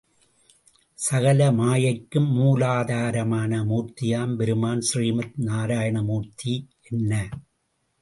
சகல மாயைக்கும் மூலாதாரமான மூர்த்தியாம் பெருமான் ஸ்ரீமந் நாராயணமூர்த்தி என்ன?